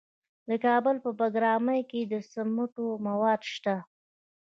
د کابل په بګرامي کې د سمنټو مواد شته.